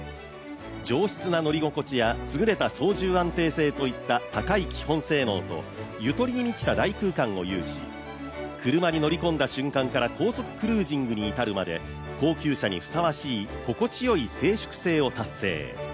上質な乗り心地やすぐれた操縦安定性といった高い基本性能とゆとりに満ちた大空間を有し車に乗り込んだ瞬間から高速クルージングに至るまで高級車にふさわしい心地よい静粛性を達成。